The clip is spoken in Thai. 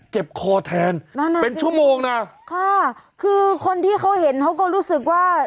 คอแทนเป็นชั่วโมงนะค่ะคือคนที่เขาเห็นเขาก็รู้สึกว่า